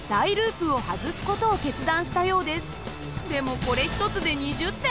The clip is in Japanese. でもこれ１つで２０点。